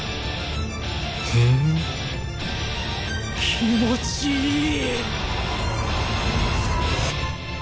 気持ちいい！